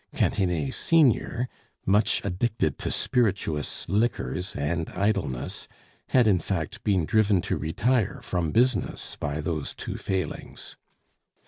Cantinet senior, much addicted to spirituous liquors and idleness, had, in fact, been driven to retire from business by those two failings.